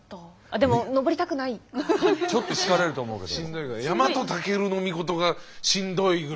でもちょっと疲れると思うけど。